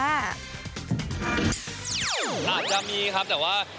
อาจจะมีครับแต่ว่า